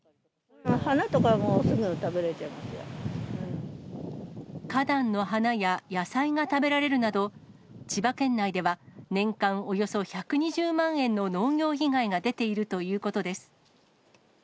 花とか、もう、すぐ食べられ花壇の花や野菜が食べられるなど、千葉県内では、年間およそ１２０万円の農業被害が出ているということです。